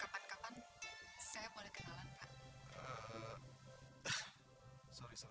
kapan kapan saya boleh kenalan pak